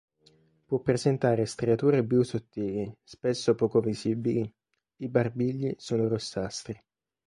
Può presentare striature blu sottili, spesso poco visibili; i barbigli sono rossastri.